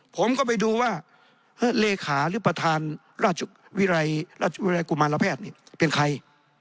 ผมก็ไปดูว่าเลขาหรือประธานราชวิทยาลัยกุมารแพทย์เป็นใคร